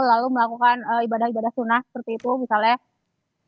lalu melakukan ibadah ibadah sunnah seperti itu misalnya